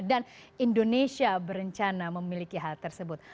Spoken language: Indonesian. dan indonesia berencana memiliki hal tersebut